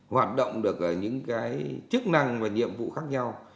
hoạt động được ở những cái chức năng và nhiệm vụ khác nhau